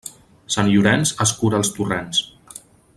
Sant Llorenç escura els torrents.